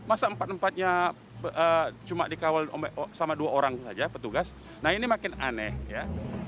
masa empat empatnya cuma dikawal sama dua orang saja petugas nah ini makin aneh ya